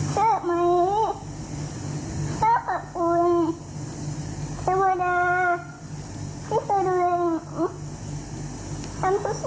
จะบอกว่านุกว่าให้ให้จะได้แรมฐานของโรครัสสมุดตาย